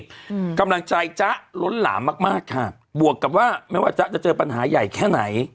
อืมกำลังใจจ๊ะล้นหลามมากมากค่ะบวกกับว่าไม่ว่าจ๊ะจะเจอปัญหาใหญ่แค่ไหน